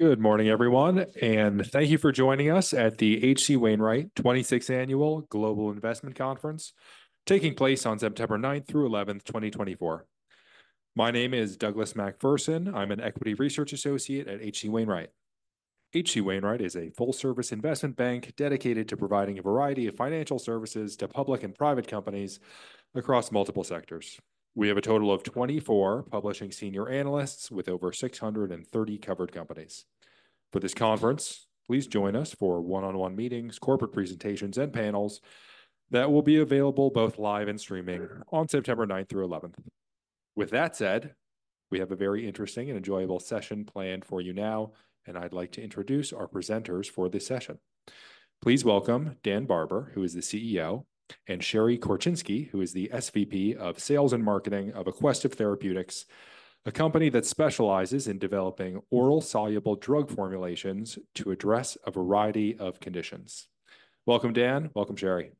Good morning, everyone, and thank you for joining us at the H.C. Wainwright 26th Annual Global Investment Conference, taking place on September ninth through eleventh, 2024. My name is Douglas McPherson. I'm an equity research associate at H.C. Wainwright. H.C. Wainwright is a full-service investment bank dedicated to providing a variety of financial services to public and private companies across multiple sectors. We have a total of 24 publishing senior analysts with over 630 covered companies. For this conference, please join us for one-on-one meetings, corporate presentations, and panels that will be available both live and streaming on September ninth through eleventh. With that said, we have a very interesting and enjoyable session planned for you now, and I'd like to introduce our presenters for this session. Please welcome Dan Barber, who is the CEO, and Sherry Korczynski, who is the SVP of Sales and Marketing of Aquestive Therapeutics, a company that specializes in developing orally soluble drug formulations to address a variety of conditions. Welcome, Dan. Welcome, Sherry.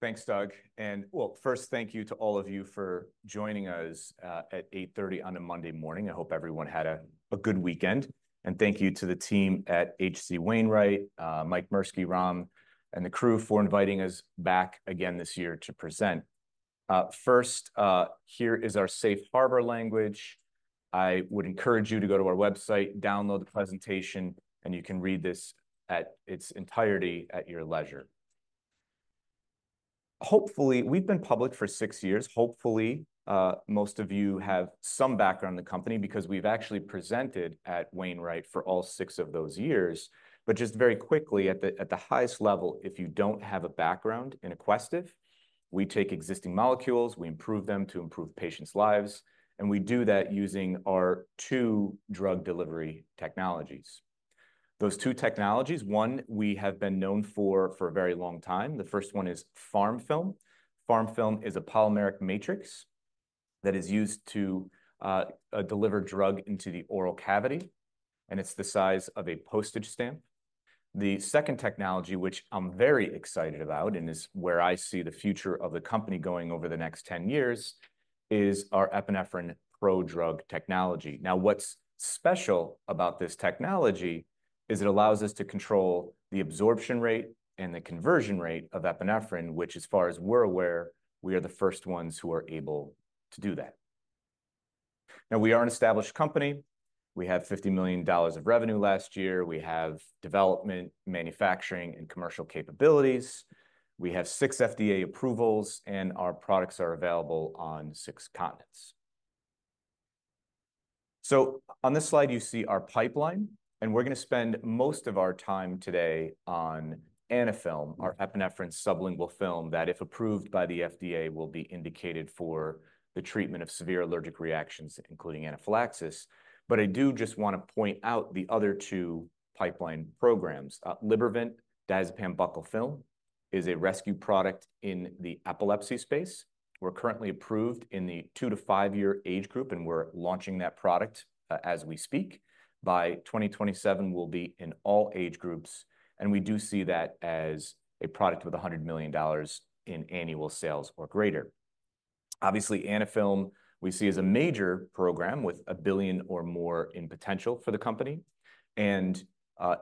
Thanks, Doug. And, well, first, thank you to all of you for joining us at 8:30 A.M. on a Monday morning. I hope everyone had a good weekend, and thank you to the team at H.C. Wainwright, Mike Mirsky, Ram, and the crew for inviting us back again this year to present. First, here is our safe harbor language. I would encourage you to go to our website, download the presentation, and you can read this in its entirety at your leisure. Hopefully... We've been public for six years. Hopefully, most of you have some background on the company, because we've actually presented at Wainwright for all six of those years. But just very quickly, at the highest level, if you don't have a background in Aquestive, we take existing molecules, we improve them to improve patients' lives, and we do that using our two drug delivery technologies. Those two technologies, one we have been known for a very long time. The first one is PharmFilm. PharmFilm is a polymeric matrix that is used to deliver drug into the oral cavity, and it's the size of a postage stamp. The second technology, which I'm very excited about, and is where I see the future of the company going over the next ten years, is our epinephrine prodrug technology. Now, what's special about this technology is it allows us to control the absorption rate and the conversion rate of epinephrine, which, as far as we're aware, we are the first ones who are able to do that. Now, we are an established company. We had $50 million of revenue last year. We have development, manufacturing, and commercial capabilities. We have six FDA approvals, and our products are available on six continents. So on this slide, you see our pipeline, and we're gonna spend most of our time today on Anaphilm, our epinephrine sublingual film, that, if approved by the FDA, will be indicated for the treatment of severe allergic reactions, including anaphylaxis. But I do just wanna point out the other two pipeline programs. Libervant diazepam buccal film is a rescue product in the epilepsy space. We're currently approved in the two-to-five-year age group, and we're launching that product, as we speak. By 2027, we'll be in all age groups, and we do see that as a product with $100 million in annual sales or greater. Obviously, Anaphilm we see as a major program with $1 billion or more in potential for the company, and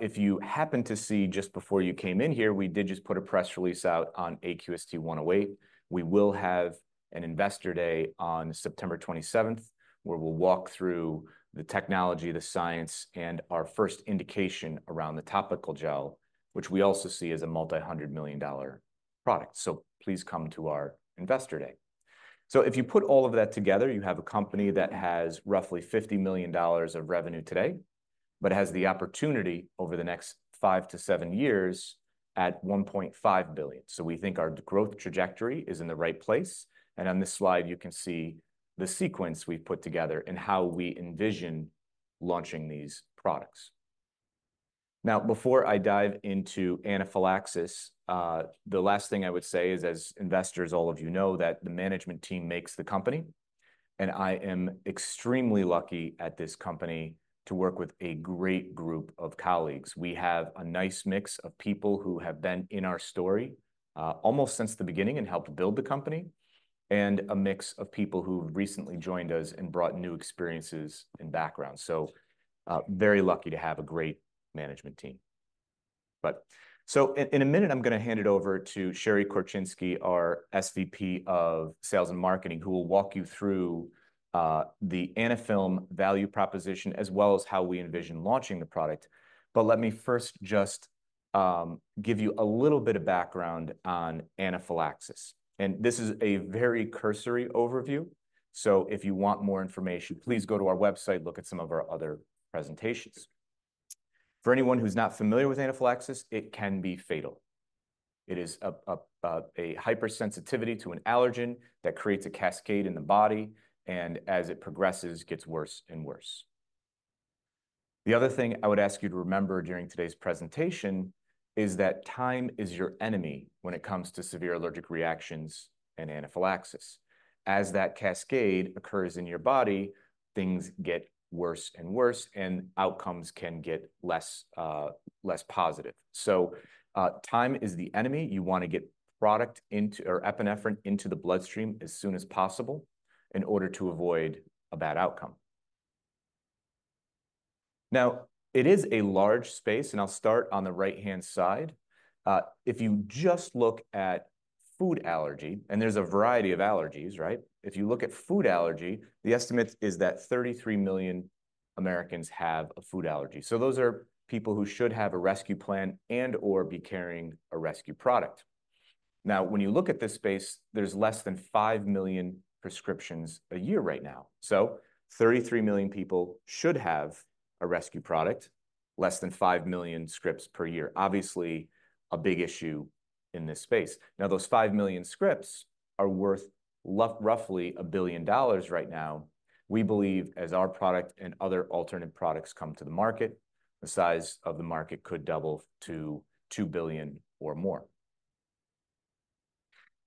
if you happened to see just before you came in here, we did just put a press release out on AQST-108. We will have an Investor Day on September twenty-seventh, where we'll walk through the technology, the science, and our first indication around the topical gel, which we also see as a multi-hundred-million-dollar product. So please come to our Investor Day. So if you put all of that together, you have a company that has roughly $50 million of revenue today but has the opportunity over the next five to seven years at $1.5 billion. So we think our growth trajectory is in the right place. And on this slide, you can see the sequence we've put together and how we envision launching these products. Now, before I dive into anaphylaxis, the last thing I would say is, as investors, all of you know that the management team makes the company, and I am extremely lucky at this company to work with a great group of colleagues. We have a nice mix of people who have been in our story, almost since the beginning and helped build the company, and a mix of people who've recently joined us and brought new experiences and backgrounds. So, very lucky to have a great management team. In a minute, I'm gonna hand it over to Sherry Korczynski, our SVP of Sales and Marketing, who will walk you through the Anaphilm value proposition, as well as how we envision launching the product. But let me first just give you a little bit of background on anaphylaxis, and this is a very cursory overview, so if you want more information, please go to our website, look at some of our other presentations. For anyone who's not familiar with anaphylaxis, it can be fatal. It is a hypersensitivity to an allergen that creates a cascade in the body, and as it progresses, gets worse and worse. The other thing I would ask you to remember during today's presentation is that time is your enemy when it comes to severe allergic reactions and anaphylaxis. As that cascade occurs in your body, things get worse and worse, and outcomes can get less, less positive. So, time is the enemy. You wanna get product into... or epinephrine into the bloodstream as soon as possible.... in order to avoid a bad outcome. Now, it is a large space, and I'll start on the right-hand side. If you just look at food allergy, and there's a variety of allergies, right? If you look at food allergy, the estimate is that 33 million Americans have a food allergy. So those are people who should have a rescue plan and/or be carrying a rescue product. Now, when you look at this space, there's less than 5 million prescriptions a year right now. So 33 million people should have a rescue product, less than 5 million scripts per year. Obviously, a big issue in this space. Now, those 5 million scripts are worth roughly $1 billion right now. We believe, as our product and other alternate products come to the market, the size of the market could double to $2 billion or more.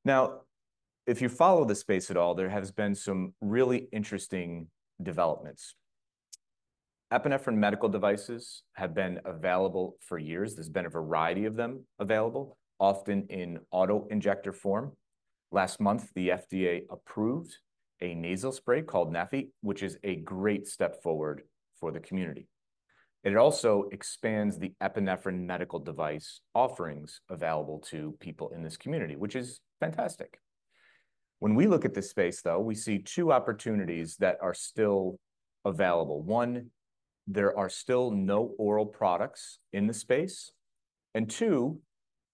Now, if you follow this space at all, there has been some really interesting developments. Epinephrine medical devices have been available for years. There's been a variety of them available, often in auto-injector form. Last month, the FDA approved a nasal spray called Neffy, which is a great step forward for the community. It also expands the epinephrine medical device offerings available to people in this community, which is fantastic. When we look at this space, though, we see two opportunities that are still available. One, there are still no oral products in this space, and two,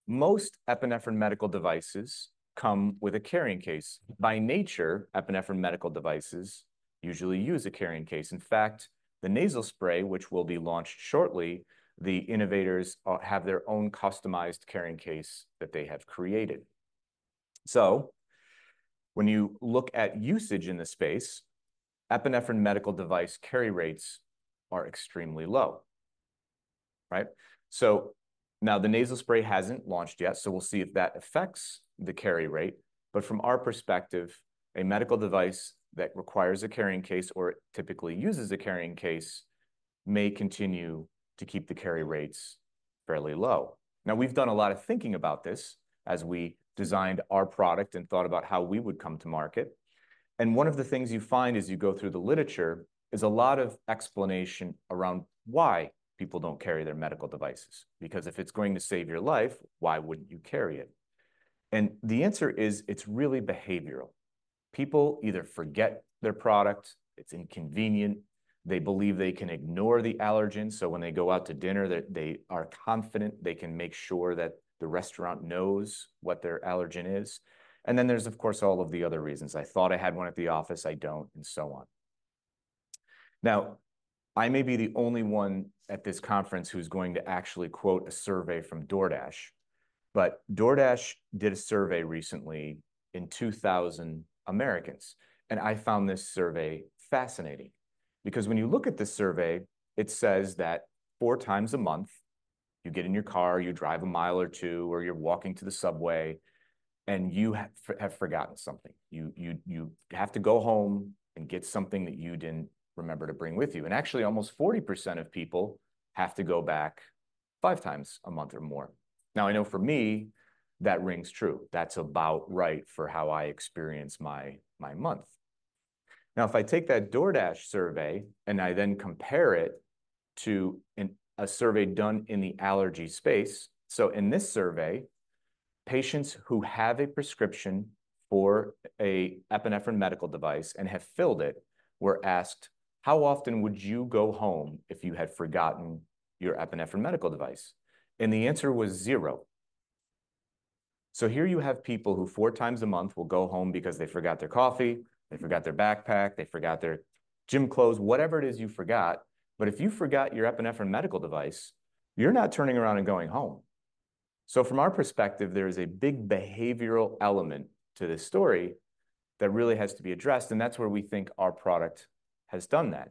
most epinephrine medical devices come with a carrying case. By nature, epinephrine medical devices usually use a carrying case. In fact, the nasal spray, which will be launched shortly, the innovators have their own customized carrying case that they have created. So when you look at usage in the space, epinephrine medical device carry rates are extremely low, right? So now the nasal spray hasn't launched yet, so we'll see if that affects the carry rate. But from our perspective, a medical device that requires a carrying case or typically uses a carrying case may continue to keep the carry rates fairly low. Now, we've done a lot of thinking about this as we designed our product and thought about how we would come to market, and one of the things you find as you go through the literature is a lot of explanation around why people don't carry their medical devices. Because if it's going to save your life, why wouldn't you carry it? And the answer is, it's really behavioral. People either forget their product, it's inconvenient, they believe they can ignore the allergens, so when they go out to dinner, they are confident they can make sure that the restaurant knows what their allergen is, and then there's, of course, all of the other reasons: "I thought I had one at the office, I don't," and so on. Now, I may be the only one at this conference who's going to actually quote a survey from DoorDash, but DoorDash did a survey recently in 2,000 Americans, and I found this survey fascinating. Because when you look at the survey, it says that four times a month, you get in your car, you drive a mile or two, or you're walking to the subway, and you have forgotten something. You have to go home and get something that you didn't remember to bring with you. And actually, almost 40% of people have to go back five times a month or more. Now, I know for me, that rings true. That's about right for how I experience my month. Now, if I take that DoorDash survey, and I then compare it to a survey done in the allergy space. So in this survey, patients who have a prescription for an epinephrine medical device and have filled it were asked, "How often would you go home if you had forgotten your epinephrine medical device?" And the answer was zero. So here you have people who four times a month will go home because they forgot their coffee, they forgot their backpack, they forgot their gym clothes, whatever it is you forgot. But if you forgot your epinephrine medical device, you're not turning around and going home. So from our perspective, there is a big behavioral element to this story that really has to be addressed, and that's where we think our product has done that.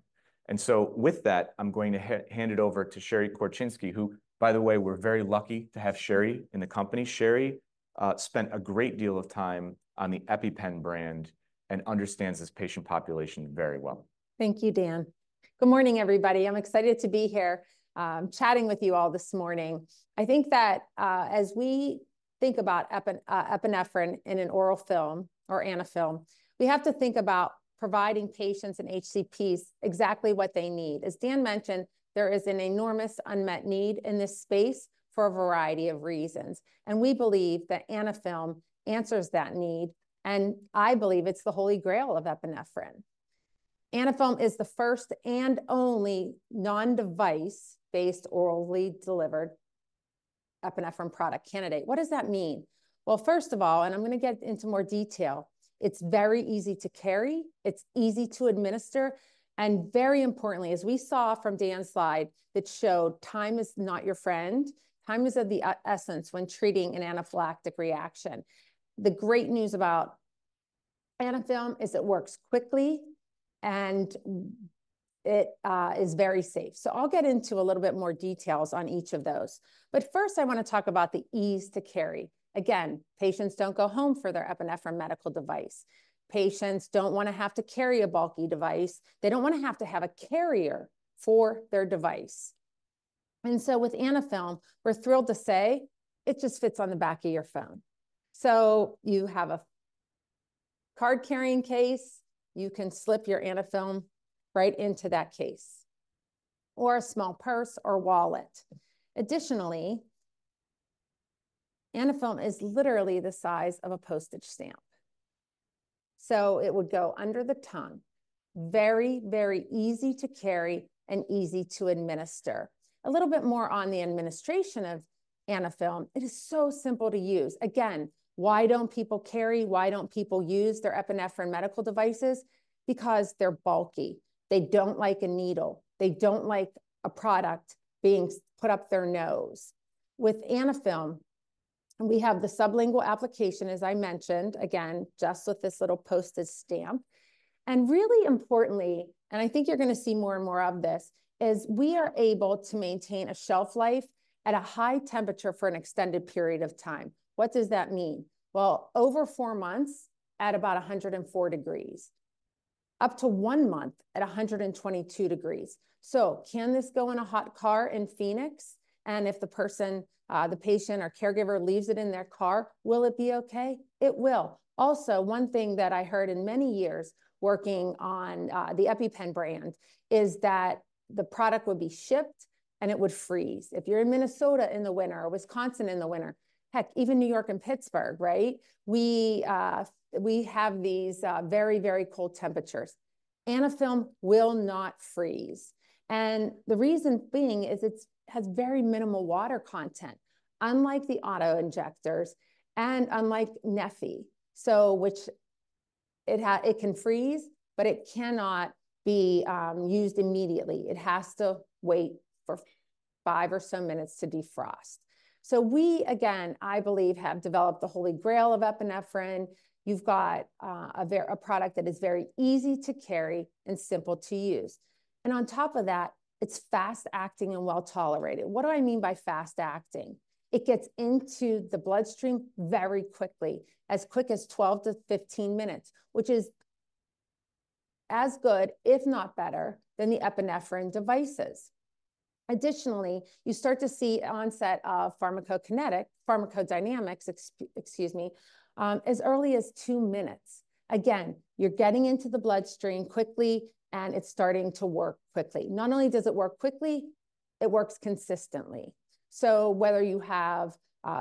And so with that, I'm going to hand it over to Sherry Korczynski, who, by the way, we're very lucky to have Sherry in the company. Sherry spent a great deal of time on the EpiPen brand and understands this patient population very well. Thank you, Dan. Good morning, everybody. I'm excited to be here, chatting with you all this morning. I think that, as we think about epinephrine in an oral film, or Anaphilm, we have to think about providing patients and HCPs exactly what they need. As Dan mentioned, there is an enormous unmet need in this space for a variety of reasons, and we believe that Anaphilm answers that need, and I believe it's the holy grail of epinephrine. Anaphilm is the first and only non-device-based, orally delivered epinephrine product candidate. What does that mean? Well, first of all, and I'm gonna get into more detail, it's very easy to carry, it's easy to administer, and very importantly, as we saw from Dan's slide, that showed time is not your friend. Time is of the essence when treating an anaphylactic reaction. The great news about Anaphilm is it works quickly, and it is very safe. So I'll get into a little bit more details on each of those. But first, I wanna talk about the ease to carry. Again, patients don't go home for their epinephrine medical device. Patients don't wanna have to carry a bulky device. They don't wanna have to have a carrier for their device, and so with Anaphilm, we're thrilled to say it just fits on the back of your phone. So you have a card-carrying case. You can slip your Anaphilm right into that case, or a small purse or wallet. Additionally, Anaphilm is literally the size of a postage stamp, so it would go under the tongue. Very, very easy to carry and easy to administer. A little bit more on the administration of Anaphilm: it is so simple to use. Again, why don't people carry, why don't people use their epinephrine medical devices? Because they're bulky. They don't like a needle. They don't like a product being put up their nose. With Anaphilm, we have the sublingual application, as I mentioned, again, just with this little postage stamp, and really importantly, and I think you're gonna see more and more of this, is we are able to maintain a shelf life at a high temperature for an extended period of time. What does that mean? Well, over four months at about a hundred and four degrees, up to one month at a hundred and twenty-two degrees. So can this go in a hot car in Phoenix, and if the person, the patient or caregiver leaves it in their car, will it be okay? It will. Also, one thing that I heard in many years working on the EpiPen brand is that the product would be shipped, and it would freeze. If you're in Minnesota in the winter or Wisconsin in the winter, heck, even New York and Pittsburgh, right? We have these very, very cold temperatures. Anaphilm will not freeze, and the reason being is it has very minimal water content, unlike the auto-injectors and unlike Neffy. So it can freeze, but it cannot be used immediately. It has to wait for five or so minutes to defrost. So we, again, I believe, have developed the holy grail of epinephrine. You've got a product that is very easy to carry and simple to use, and on top of that, it's fast-acting and well-tolerated. What do I mean by fast-acting? It gets into the bloodstream very quickly, as quick as twelve to fifteen minutes, which is as good, if not better, than the epinephrine devices. Additionally, you start to see onset of pharmacokinetics, pharmacodynamics, excuse me, as early as two minutes. Again, you're getting into the bloodstream quickly, and it's starting to work quickly. Not only does it work quickly, it works consistently. So whether you have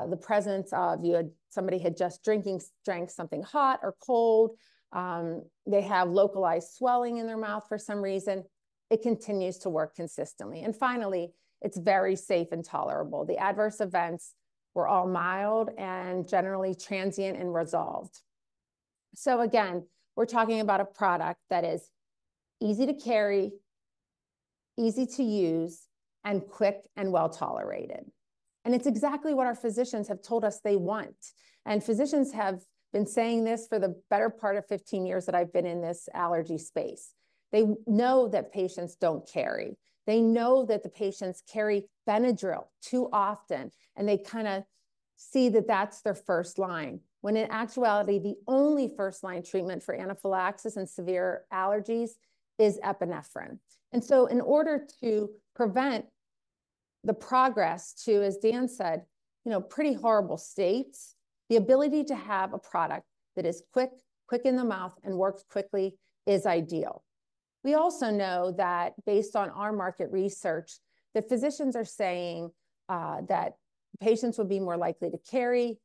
the presence of somebody had just drank something hot or cold, they have localized swelling in their mouth for some reason, it continues to work consistently, and finally, it's very safe and tolerable. The adverse events were all mild and generally transient and resolved. So again, we're talking about a product that is easy to carry, easy to use, and quick and well-tolerated, and it's exactly what our physicians have told us they want. And physicians have been saying this for the better part of fifteen years that I've been in this allergy space. They know that patients don't carry. They know that the patients carry Benadryl too often, and they kinda see that that's their first line, when in actuality, the only first-line treatment for anaphylaxis and severe allergies is epinephrine. And so in order to prevent the progress to, as Dan said, you know, pretty horrible states, the ability to have a product that is quick, quick in the mouth, and works quickly is ideal. We also know that based on our market research, the physicians are saying that patients would be more likely to carry,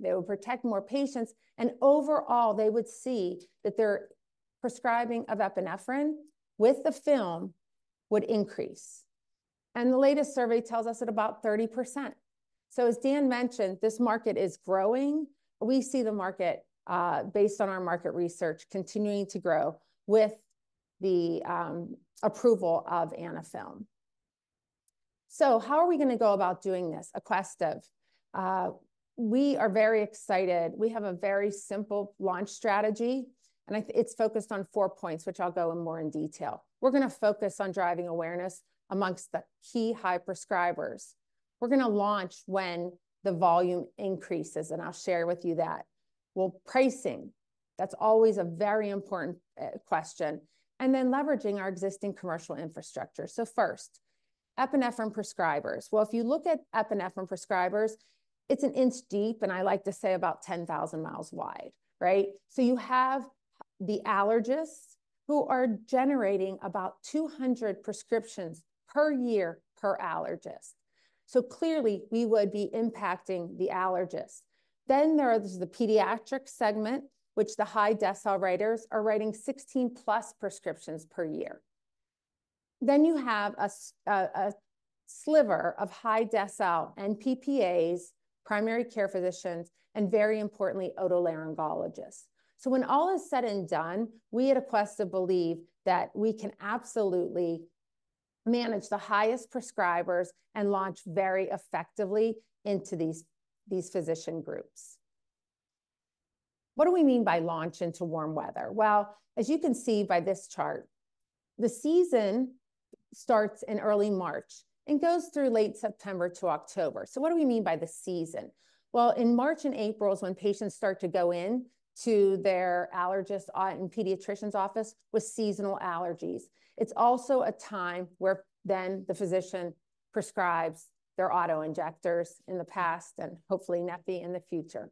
they would protect more patients, and overall, they would see that their prescribing of epinephrine with the film would increase, and the latest survey tells us at about 30%. So as Dan mentioned, this market is growing. We see the market, based on our market research, continuing to grow with the approval of Anaphilm. So how are we gonna go about doing this, Aquestive? We are very excited. We have a very simple launch strategy, and I, it's focused on four points, which I'll go in more in detail. We're gonna focus on driving awareness amongst the key high prescribers. We're gonna launch when the volume increases, and I'll share with you that. Well, pricing, that's always a very important question, and then leveraging our existing commercial infrastructure. So first, epinephrine prescribers. Well, if you look at epinephrine prescribers, it's an inch deep, and I like to say about 10,000 miles wide, right? So you have the allergists who are generating about 200 prescriptions per year per allergist. So clearly, we would be impacting the allergists. Then there are the pediatric segment, which the high decile writers are writing 16-plus prescriptions per year. Then you have a sliver of high decile and PPAs, primary care physicians, and very importantly, otolaryngologists. So when all is said and done, we at Aquestive believe that we can absolutely manage the highest prescribers and launch very effectively into these physician groups. What do we mean by launch into warm weather? Well, as you can see by this chart, the season starts in early March and goes through late September to October. So what do we mean by the season? Well, in March and April is when patients start to go in to their allergist or and pediatrician's office with seasonal allergies. It's also a time where then the physician prescribes their auto-injectors in the past and hopefully Neffy in the future.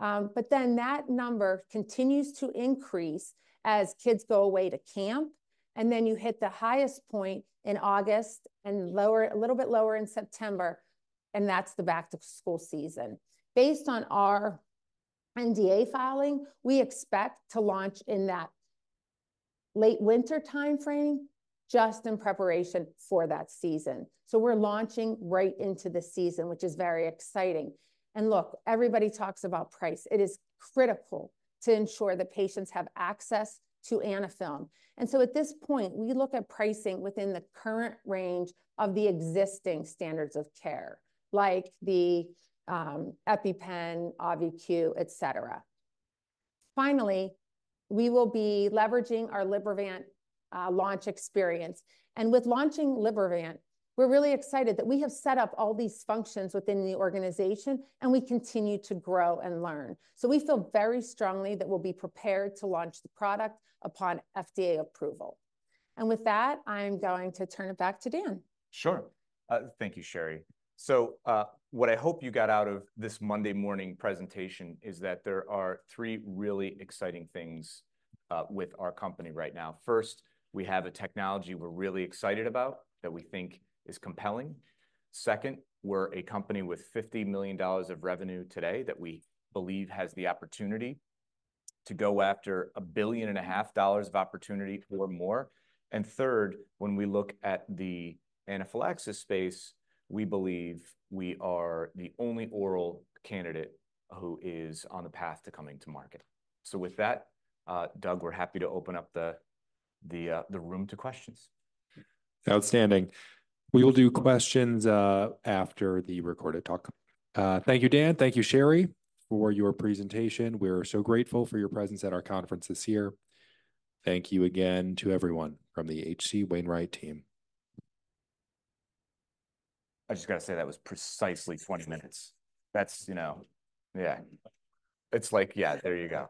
But then that number continues to increase as kids go away to camp, and then you hit the highest point in August, and lower, a little bit lower in September, and that's the back-to-school season. Based on our NDA filing, we expect to launch in that late winter timeframe, just in preparation for that season. So we're launching right into the season, which is very exciting. And look, everybody talks about price. It is critical to ensure that patients have access to Anaphilm. And so at this point, we look at pricing within the current range of the existing standards of care, like the EpiPen, Auvi-Q, et cetera. Finally, we will be leveraging our Libervant launch experience, and with launching Libervant, we're really excited that we have set up all these functions within the organization, and we continue to grow and learn. So we feel very strongly that we'll be prepared to launch the product upon FDA approval. And with that, I'm going to turn it back to Dan. Sure. Thank you, Sherry. So, what I hope you got out of this Monday morning presentation is that there are three really exciting things with our company right now. First, we have a technology we're really excited about that we think is compelling. Second, we're a company with $50 million of revenue today that we believe has the opportunity to go after $1.5 billion of opportunity or more. And third, when we look at the anaphylaxis space, we believe we are the only oral candidate who is on the path to coming to market. So with that, Doug, we're happy to open up the room to questions. Outstanding. We will do questions after the recorded talk. Thank you, Dan. Thank you, Sherry, for your presentation. We're so grateful for your presence at our conference this year. Thank you again to everyone from the H.C. Wainwright team. I just gotta say, that was precisely twenty minutes. That's, you know. Yeah. It's like, yeah, there you go.